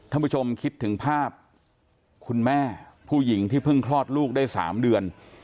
ท่านผู้ชมคิดถึงภาพคุณแม่ผู้หญิงที่เพิ่งคลอดลูกได้๓เดือน